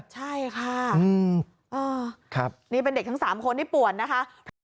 ใช่ค่ะนี่เป็นเด็กทั้ง๓คนที่ป่วนนะคะ